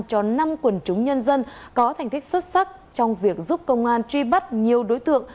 cho năm quần chúng nhân dân có thành tích xuất sắc trong việc giúp công an truy bắt nhiều đối tượng